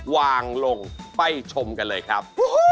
วางลงไปชมกันเลยครับ